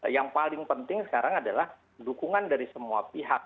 yang paling penting sekarang adalah dukungan dari semua pihak